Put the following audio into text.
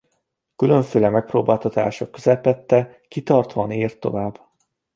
Különféle megpróbáltatások közepette kitartóan írt tovább.